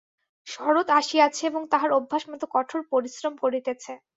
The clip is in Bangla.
শরৎ আসিয়াছে এবং তাহার অভ্যাসমত কঠোর পরিশ্রম করিতেছে।